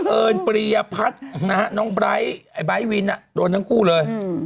เอิญปริยพัฒน์นะฮะน้องไบร์ทไอ้ไบท์วินโดนทั้งคู่เลย